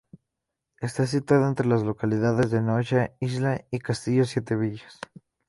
Está situado entre las localidades de Noja, Isla y Castillo Siete Villas.